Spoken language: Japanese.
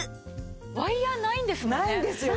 ワイヤないんですもんね。